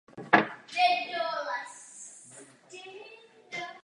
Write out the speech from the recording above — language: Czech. Následovala celá řada filmů a stal se vyhledávaným autorem filmové hudby.